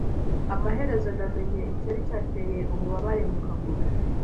Amaherezo namenye icyari cyateye ububabare mu kuguru.